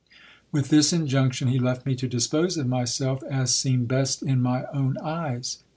With this injunction he left me to dispose of myself as seemed best in my own eyes.